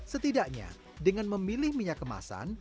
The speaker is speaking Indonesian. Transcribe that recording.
setidaknya dengan memilih minyak kemasan